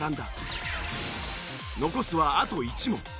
残すはあと１問。